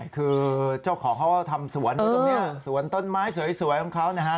คือเจ้าของเขาก็ทำสวนอยู่ตรงนี้สวนต้นไม้สวยของเขานะฮะ